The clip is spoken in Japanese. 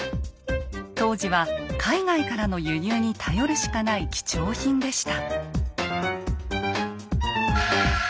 当時は海外からの輸入に頼るしかない貴重品でした。